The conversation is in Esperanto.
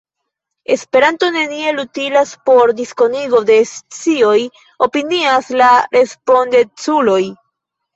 Esperanto neniel utilas por diskonigo de scioj, opinias la respondeculoj.